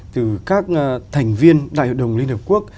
từ các thành viên đại hội đồng liên hợp quốc